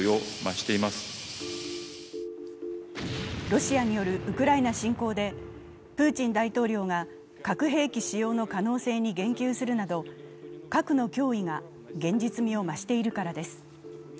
ロシアによるウクライナ侵攻でプーチン大統領が核兵器使用の可能性に言及するなど核の脅威が現実味を増しているからです。